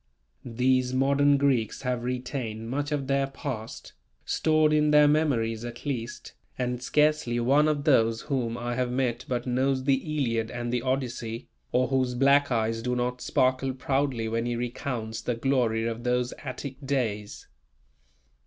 These modern Greeks have retained much of their past, stored in their memories at least, and scarcely one of those whom I have met but knows the Iliad and the Odyssey, or whose black eyes do not sparkle proudly when he recounts the glory of those Attic days.